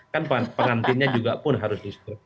kan perantinnya juga pun harus disegerakan